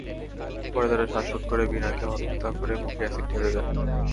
পরে তাঁরা শ্বাসরোধ করে বিনাকে হত্যা করে মুখে অ্যাসিড ঢেলে দেন।